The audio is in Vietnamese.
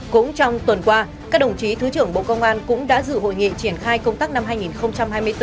cũng trong tuần qua các đồng chí thứ trưởng bộ công an cũng đã dự hội nghị triển khai công tác năm hai nghìn hai mươi bốn